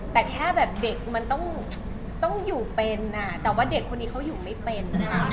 แต่แค่เด็กมันต้องอยู่เป็นแต่ว่าเด็กคนนี้เขาไม่เป็น